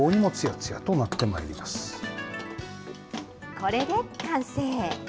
これで完成。